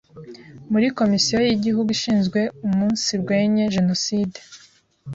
Muri Komisiyo y’Igihugu Ishinzwe Umunsirwenye Jenoside